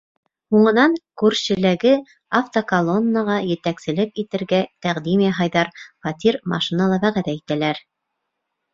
Һуңынан күршеләге автоколоннаға етәкселек итергә тәҡдим яһайҙар, фатир, машина ла вәғәҙә итәләр.